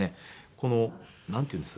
このなんていうんです？